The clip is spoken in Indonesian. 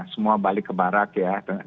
semua balik ke barat ya